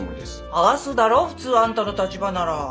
剥がすだろ普通あんたの立場なら。